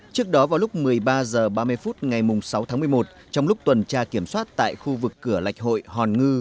trước đó vào lúc một mươi ba h ba mươi phút ngày sáu tháng một mươi một trong lúc tuần tra kiểm soát tại khu vực cửa lạch hội hòn ngư